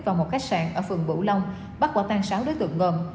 vào một khách sạn ở phường bửu long bắt quả tan sáu đối tượng gồm